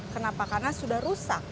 kenapa karena sudah rusak